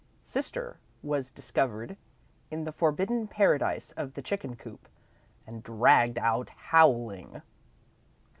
"Sister" was discovered in the forbidden Paradise of the chicken coop, and dragged out, howling.